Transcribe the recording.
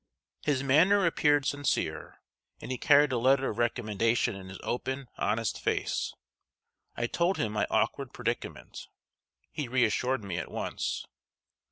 His manner appeared sincere, and he carried a letter of recommendation in his open, honest face. I told him my awkward predicament. He reassured me at once.